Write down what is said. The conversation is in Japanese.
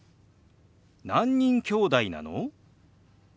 「何人きょうだいなの？」。